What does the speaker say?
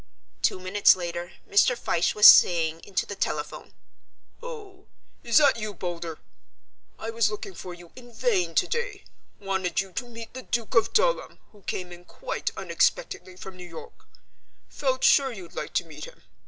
Two minutes later Mr. Fyshe was saying into the telephone, "Oh, is that you, Boulder? I was looking for you in vain today wanted you to meet the Duke of Dulham, who came in quite unexpectedly from New York; felt sure you'd like to meet him.